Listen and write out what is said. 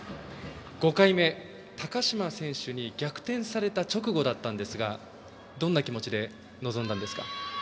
５回目、高島選手に逆転された直後でしたがどんな気持ちで臨んだんですか？